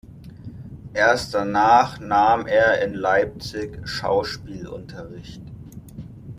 Erst danach nahm er in Leipzig Schauspielunterricht.